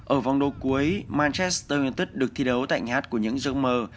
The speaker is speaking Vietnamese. ở vòng đầu cuối manchester united được thi đấu tại hạt của những giấc mơ